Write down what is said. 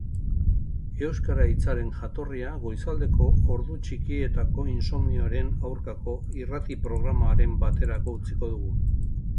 Euskara hitzaren jatorria goizaldeko ordu txikietako insomnioaren aurkako irrati-programaren baterako utziko dugu.